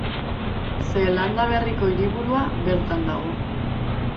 Zeelanda Berriko hiriburua bertan dago.